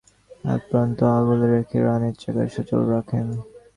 Shakib out হলেও মুশফিক একপ্রান্ত আগলে রেখে রানের চাকা সচল রাখেন।